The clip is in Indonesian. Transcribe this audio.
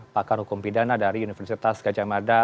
pakar hukum pidana dari universitas gajah mada